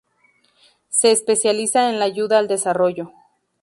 Se especializa en la ayuda al desarrollo.